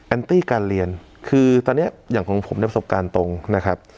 ตี้การเรียนคือตอนนี้อย่างของผมเนี่ยประสบการณ์ตรงนะครับ